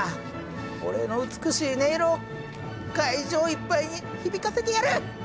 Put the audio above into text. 俺の美しい音色を会場いっぱいに響かせてやる！